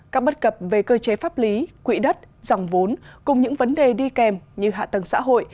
các bất cập về cơ chế pháp lý quỹ đất dòng vốn cùng những vấn đề đi kèm như hạ tầng xã hội